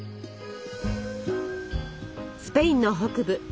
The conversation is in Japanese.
スペインの北部